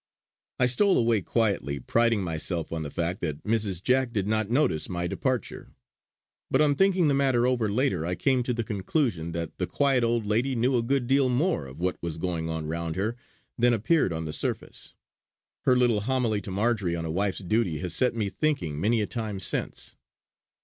I stole away quietly, priding myself on the fact that Mrs. Jack did not notice my departure; but on thinking the matter over later, I came to the conclusion that the quiet old lady knew a good deal more of what was going on round her than appeared on the surface. Her little homily to Marjory on a wife's duty has set me thinking many a time since.